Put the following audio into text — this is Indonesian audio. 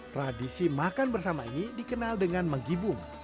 tradisi makan bersama ini dikenal dengan menggibung